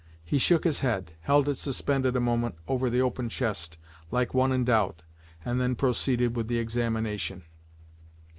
He shook his head, held it suspended a moment over the open chest, like one in doubt, and then proceeded with the examination.